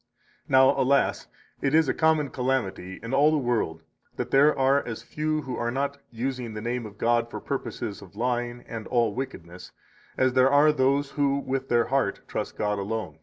58 Now, alas! it is a common calamity in all the world that there are as few who are not using the name of God for purposes of lying and all wickedness as there are those who with their heart trust alone in God.